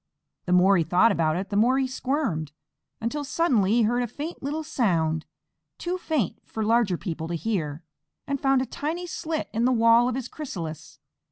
The more he thought about it the more he squirmed, until suddenly he heard a faint little sound, too faint for larger people to hear, and found a tiny slit in the wall of his chrysalis.